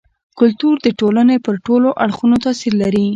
کلتور د ټولني پر ټولو اړخونو تاثير لري.